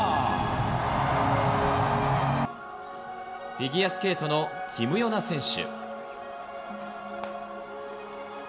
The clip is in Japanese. フィギュアスケートのキム・ヨナ選手。